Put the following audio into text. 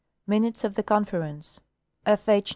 MINUTES OF THE CONFERENCE F. H.